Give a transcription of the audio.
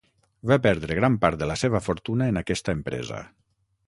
Va perdre gran part de la seva fortuna en aquesta empresa.